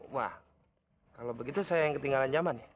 wah kalau begitu saya yang ketinggalan zaman